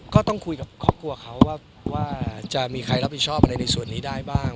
ก็ต้องคุยกับครอบครัวเขาว่าจะมีใครรับผิดชอบอะไรในส่วนนี้ได้บ้าง